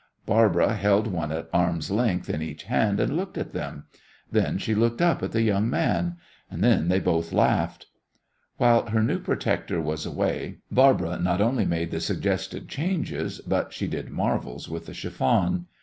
Barbara held one at arm's length in each hand, and looked at them. Then she looked up at the young man. Then they both laughed. While her new protector was away, Barbara not only made the suggested changes, but she did marvels with the chiffon.